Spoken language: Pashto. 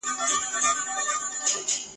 خو ما یوه شېبه خپل زړه تش کړ ..